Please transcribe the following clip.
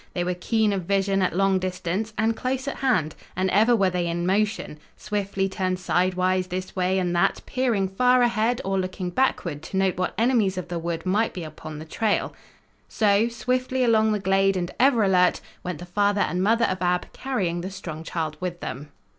They were keen of vision at long distance and close at hand, and ever were they in motion, swiftly turned sidewise this way and that, peering far ahead or looking backward to note what enemies of the wood might be upon the trail. So, swiftly along the glade and ever alert, went the father and mother of Ab, carrying the strong child with them.